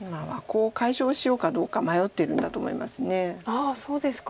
ああそうですか。